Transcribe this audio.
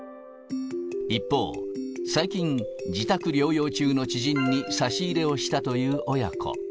一方、最近、自宅療養中の知人に差し入れをしたという親子。